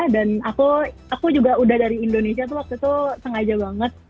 dan aku juga udah dari indonesia tuh waktu itu sengaja banget